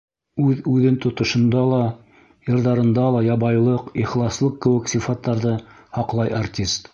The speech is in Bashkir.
Үҙ-үҙен тотошонда ла, йырҙарында ла ябайлыҡ, ихласлыҡ кеүек сифаттарҙы һаҡлай артист.